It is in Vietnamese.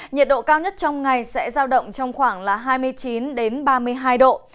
nhiệt độ cao nhất trong ngày sẽ giao động trong khoảng là hai mươi chín ba mươi hai độ